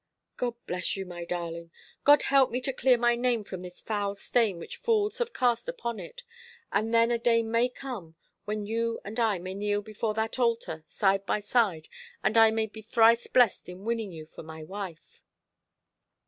"God bless you, my darling. God help me to clear my name from this foul stain which fools have cast upon it; and then a day may come when you and I may kneel before that altar, side by side, and I may be thrice blest in winning you for my wife."